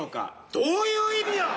どういう意味や！